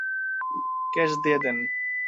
Cash দিয়ে দিন!